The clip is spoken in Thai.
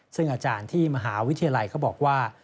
ซึ่งอาจารย์ที่มหาวิทยาลัยก็บอกว่า